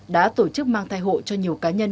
đã tổ chức mang thai hộ cho nhiều cá nhân